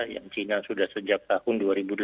yang china sudah sejak tahun dua ribu delapan